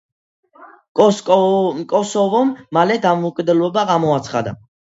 კოსოვომ მალე დამოუკიდებლობა გამოაცხადა.